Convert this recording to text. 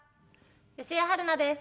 吉江晴菜です。